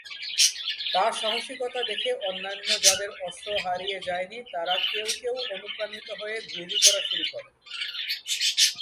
তার সাহসিকতা দেখে অন্যান্য যাঁদের অস্ত্র হারিয়ে যায়নি তারা কেউ কেউ অনুপ্রাণিত হয়ে গুলি করা শুরু করেন।